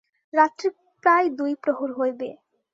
রাত্রি প্রায় দুই প্রহর হইবে।